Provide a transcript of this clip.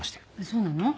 そうなの？